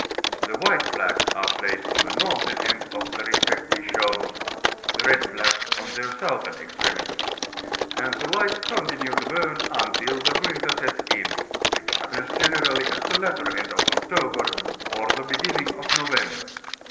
The white flags are placed on the northern end of the respective shoals, the red flags are on their soutibern extremities, and the lights continue to bum until the winter sets in, which happens generally at the latter end of October, or the b^inning of November.